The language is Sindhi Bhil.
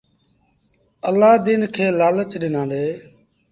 الآدين کي لآلچ ڏنآندي۔